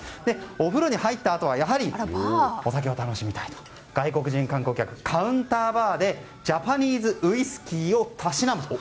お風呂に入ったあとはやはり、お酒を楽しみたいと外国人観光客、カウンターバーでジャパニーズウイスキーをたしなむと。